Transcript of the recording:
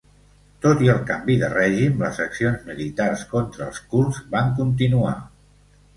Tot i el canvi de règim les accions militars contra els kurds van continuar.